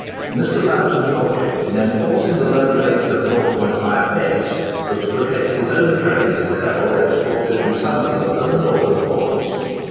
Mr. Lambton's object in enforcing the low rate of ½d. was to protect his own trade in coal exported from Sunderland and the northern ports.